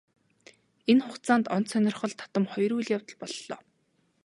Энэ хугацаанд онц сонирхол татам хоёр үйл явдал боллоо.